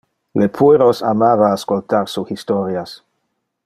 Le pueros amava ascoltar su historias.